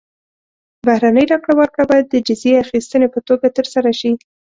بهرنۍ راکړه ورکړه باید د جزیې اخیستنې په توګه ترسره شي.